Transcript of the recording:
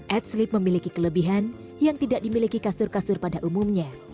ad sleep memiliki kelebihan yang tidak dimiliki kasur kasur pada umumnya